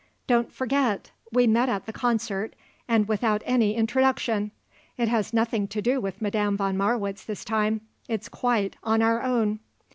"Don't forget. We met at the concert, and without any introduction! It has nothing to do with Madame von Marwitz this time. It's quite on our own."